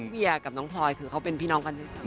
พี่เวียกับน้องพลอยคือเขาเป็นพี่น้องกันใช่ไหม